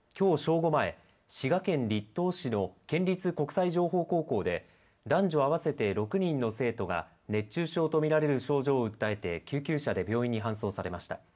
午前、滋賀県栗東市の県立国際情報高校で男女合わせて６人の生徒が熱中症と見られる症状を訴えて救急車で病院に搬送されました。